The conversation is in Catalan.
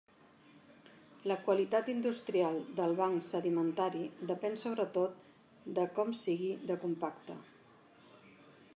La qualitat industrial del banc sedimentari depèn sobretot de com sigui de compacte.